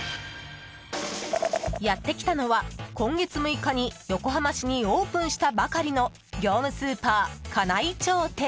やってきたのは、今月６日に横浜市にオープンしたばかりの業務スーパー金井町店。